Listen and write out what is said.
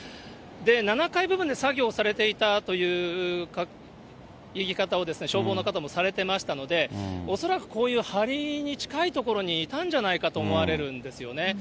７階部分で作業されていたという言い方を、消防の方もされてましたので、恐らくこういうはりに近い所にいたんじゃないかと思われるんですね。